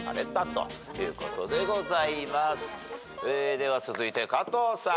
では続いて加藤さん。